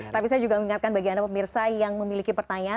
tapi saya juga mengingatkan bagi anda pemirsa yang memiliki pertanyaan